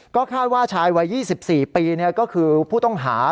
ก็คาดว่าชายวัย๒๔ปีก็คือผู้ต้องหา